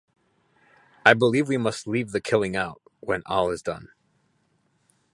I believe we must leave the killing out, when all is done.